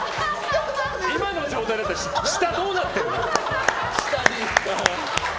今の状態だったら下、どうなってんの？